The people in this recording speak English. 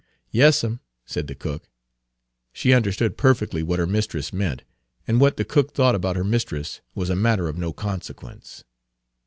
"Yas 'm," said the cook. She understood perfectly what her mistress meant; and what the cook thought about her mistress was a matter of no consequence.